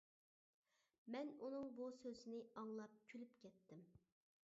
مەن ئۇنىڭ بۇ سۆزىنى ئاڭلاپ كۈلۈپ كەتتىم.